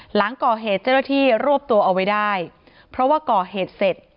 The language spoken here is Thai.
หลังก่อเหตุเจ้าหน้าที่รวบตัวเอาไว้ได้เพราะว่าก่อเหตุเสร็จ